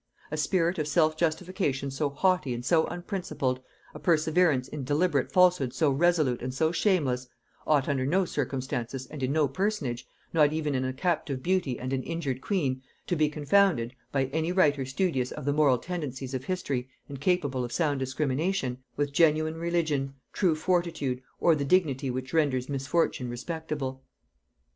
A spirit of self justification so haughty and so unprincipled, a perseverance in deliberate falsehood so resolute and so shameless, ought under no circumstances and in no personage, not even in a captive beauty and an injured queen, to be confounded, by any writer studious of the moral tendencies of history and capable of sound discrimination, with genuine religion, true fortitude, or the dignity which renders misfortune respectable.